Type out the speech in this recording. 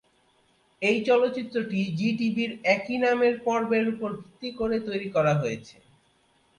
এই চলচ্চিত্রটি জী টিভির একই নামের পর্বের উপর ভিত্তি করে তৈরি করা হয়েছে।